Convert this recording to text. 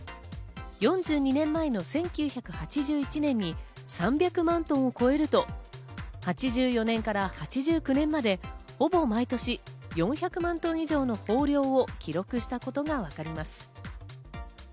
４２年前の１９８１年に３００万トンを超えると８４年から８９年までほぼ毎年、４００万トン以上の豊漁を記録したことがわかります。